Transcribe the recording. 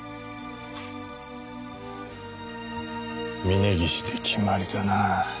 峰岸で決まりだな。